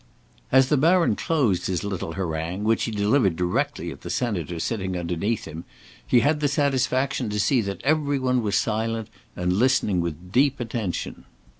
As the baron closed his little harangue, which he delivered directly at the senator sitting underneath him, he had the satisfaction to see that every one was silent and listening with deep attention.